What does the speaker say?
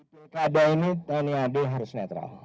pilkada ini tni ad harus netral